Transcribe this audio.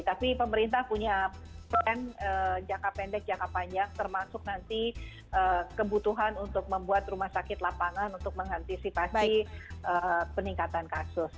tapi pemerintah punya jangka pendek jangka panjang termasuk nanti kebutuhan untuk membuat rumah sakit lapangan untuk mengantisipasi peningkatan kasus